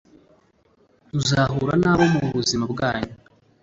muzahura na bo mu buzima bwanyu